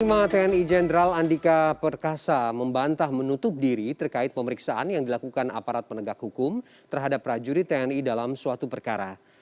panglima tni jenderal andika perkasa membantah menutup diri terkait pemeriksaan yang dilakukan aparat penegak hukum terhadap prajurit tni dalam suatu perkara